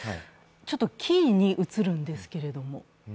ちょっと奇異に映るんですけれども。